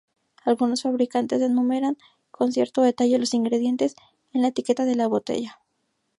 Algunos fabricantes enumeran con cierto detalle los ingredientes en la etiqueta de la botella.